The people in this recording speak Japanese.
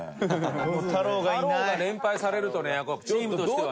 トシ：太郎が連敗されるとねチームとしてはね。